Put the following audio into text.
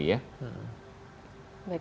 kita lihat bagaimana suasananya